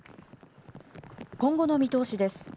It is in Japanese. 今後の見通しです。